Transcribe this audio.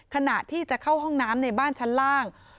ขณะที่จะเข้าห้องน้ำในบ้านชั้นล่าง